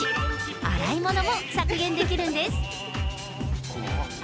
洗い物も削減できるんです。